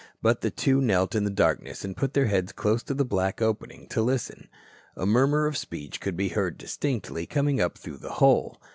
But the two knelt in the darkness and put their heads close to the black opening to listen. A murmur of speech could be heard distinctly, coming up through the hole.